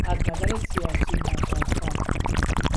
از نظر سیاسی ناسازگار